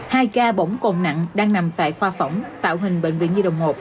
hai ca bỏng cồn nặng đang nằm tại khoa phỏng tạo hình bệnh viện nhi đồng một